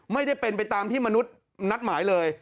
ไม่ได้เป็นไปตามที่มนุษย์นัดหมายเลย